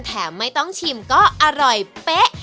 แถมไม่ต้องชิมก็อร่อยเป๊ะ